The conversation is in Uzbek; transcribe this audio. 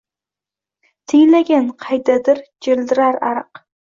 Tinglagin qaydadir jildirar ariq